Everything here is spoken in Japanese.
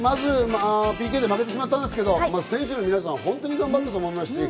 ＰＫで負けてしまったんですけど、選手の皆さん、ほんとに頑張ったと思います。